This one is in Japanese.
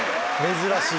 珍しい。